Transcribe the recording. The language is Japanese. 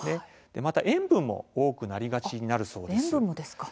また塩分も多くなりがちになるそうです。